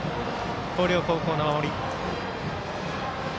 広陵高校の守り。